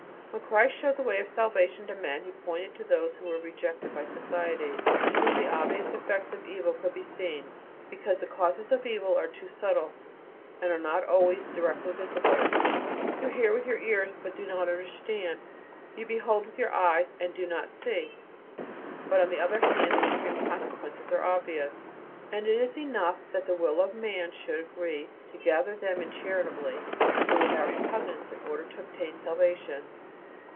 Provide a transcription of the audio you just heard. When Christ showed the way of salvation to men He pointed to those who were rejected by society, in whom the obvious effects of evil could be seen, because the causes of evil are too subtle, and are not always directly visible: "You hear with your ears and do not understand; you behold with your eyes and do not see." But, on the other hand, the extreme consequences are obvious, and it is enough that the "will" of man should agree to gather them in charitably and without repugnance in order to obtain salvation.